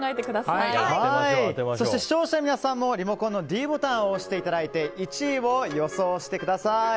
そして、視聴者の皆さんもリモコンのｄボタンを押して１位を予想してください。